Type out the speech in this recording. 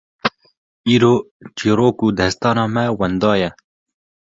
Îro çîrok û destana me wenda ye!